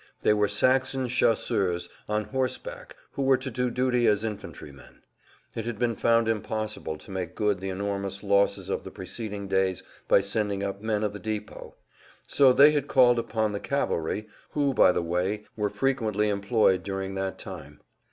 They were Saxon chasseurs on horseback who were to do duty as infantrymen. It had been found impossible to make good the enormous losses of the preceding days by sending up men of the depot. So they had called upon the cavalry who, by the way, were frequently employed during that time.